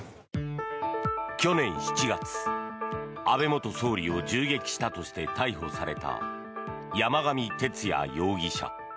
去年７月安倍元総理を銃撃したとして逮捕された山上徹也容疑者。